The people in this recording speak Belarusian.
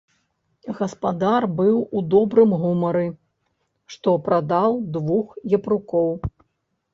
Гаспадар быў у добрым гуморы, што прадаў двух япрукоў.